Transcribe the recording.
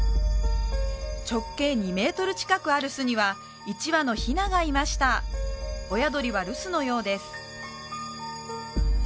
直径２メートル近くある巣には１羽の雛がいました親鳥は留守のようです